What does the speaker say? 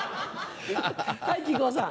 はい木久扇さん。